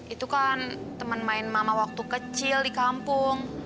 itukan temen main mama waktu kecil di kampung